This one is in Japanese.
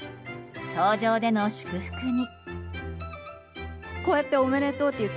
登場での祝福に。